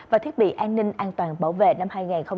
và thiết bị an ninh an toàn bảo vệ năm hai nghìn một mươi chín